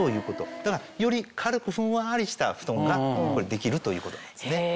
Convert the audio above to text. だからより軽くふんわりした布団ができるということなんですね。